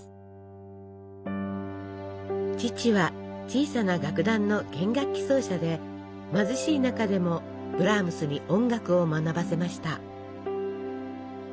父は小さな楽団の弦楽器奏者で貧しい中でもブラームスに音楽を学ばせました。